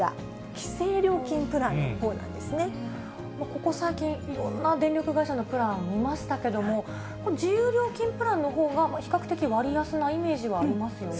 規制料金プランのほうなここ最近、いろんな電力会社のプラン見ましたけれども、自由料金プランのほうが、比較的割安なイメージはありますよね。